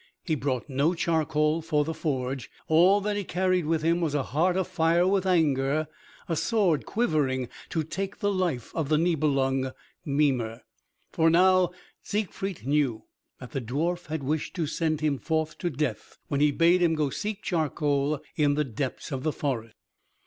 He brought no charcoal for the forge; all that he carried with him was a heart afire with anger, a sword quivering to take the life of the Nibelung, Mimer. For now Siegfried knew that the dwarf had wished to send him forth to death, when he bade him go seek charcoal in the depths of the forest.